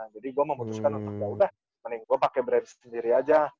jadi gue memutuskan untuk mau udah mending gue pakai brand sendiri aja